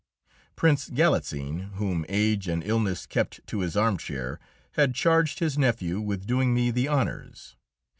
Prince Galitzin, whom age and illness kept to his armchair, had charged his nephew with doing me the honours.